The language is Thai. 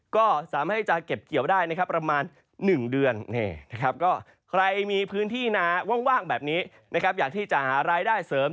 ก็สามารถที่จะเก็บเกี่ยวได้นะครับประมาณ๑เดือนก็ใครมีพื้นที่นาว่างแบบนี้นะครับอยากที่จะหารายได้เสริม